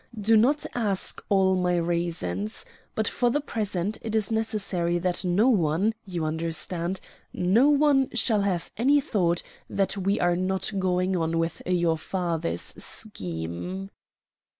Do not ask all my reasons. But for the present it is necessary that no one, you understand, no one shall have any thought that we are not going on with your father's scheme."